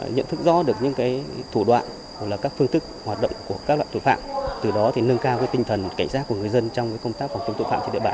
nhận thức rõ được những thủ đoạn hoặc là các phương thức hoạt động của các loại tội phạm từ đó nâng cao tinh thần cảnh giác của người dân trong công tác phòng chống tội phạm trên địa bàn